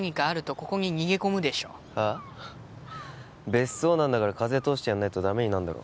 別荘なんだから風通してやんないとダメになんだろ